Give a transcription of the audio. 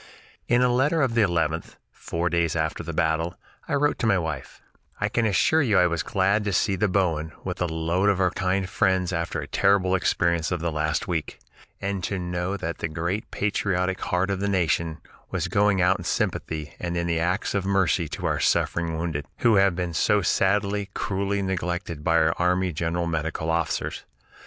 In a letter of the 11th, four days after the battle, I wrote to my wife: "I can assure you I was glad to see the Bowen with a load of our kind friends after the terrible experience of the last week, and to know that the great patriotic heart of the Nation was going out in sympathy and in acts of mercy to our suffering wounded, who have been so sadly, cruelly neglected by our army general medical officers.